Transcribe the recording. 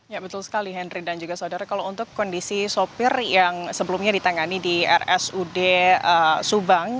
ya betul sekali henry dan juga saudara kalau untuk kondisi sopir yang sebelumnya ditangani di rsud subang